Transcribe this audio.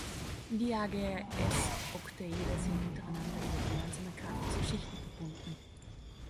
Die AgS-Oktaeder sind untereinander über gemeinsame Kanten zu Schichten verbunden.